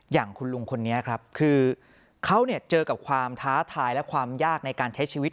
อย่างคุณลุงคนนี้ครับคือเขาเจอกับความท้าทายและความยากในการใช้ชีวิต